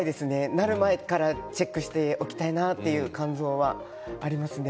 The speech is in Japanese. なる前からチェックしておきたいな肝臓はっていうのはありますね。